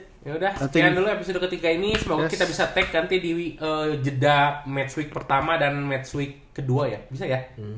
ya udah jangan dulu episode ketiga ini semoga kita bisa take nanti di jeda match week pertama dan match week kedua ya bisa ya